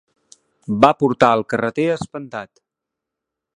Va portar el carreter espantat.